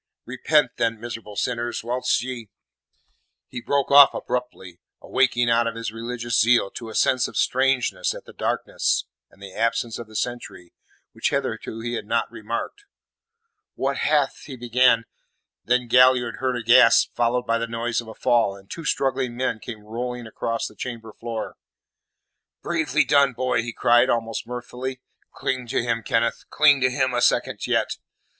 "Repent then, miserable sinners, whilst yet " He broke off abruptly, awaking out of his religious zeal to a sense of strangeness at the darkness and the absence of the sentry, which hitherto he had not remarked. "What hath " he began. Then Galliard heard a gasp, followed by the noise of a fall, and two struggling men came rolling across the chamber floor. "Bravely done, boy!" he cried, almost mirthfully. "Cling to him, Kenneth; cling to him a second yet!"